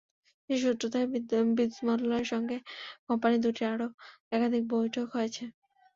সেই সূত্র ধরে বিদ্যুৎ মন্ত্রণালয়ের সঙ্গে কোম্পানি দুটির আরও একাধিক বৈঠক হয়েছে।